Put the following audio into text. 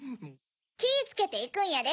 きぃつけていくんやで。